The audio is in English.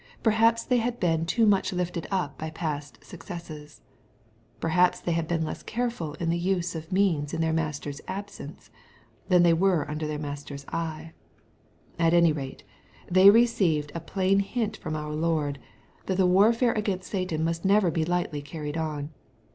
Perhaps they had been too much lifted up by past successes. Perhaps they had been less careful in the use of means in their Master's absence, than they were under their Master's eye. At any rate they receive a plain hint from our Lord, that the warfare against Satan must never be lightly carried on.